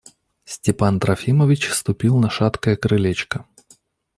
Степан Трофимович ступил на шаткое крылечко.